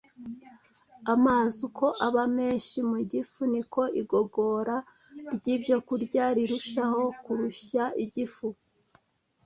Amazi uko aba menshi mu gifu niko igogora ry’ibyokurya rirushaho kurushya igifu